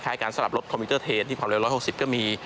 การสลับรถคอมพิวเตอร์เทนที่ความเร็ว๑๖๐ก็มี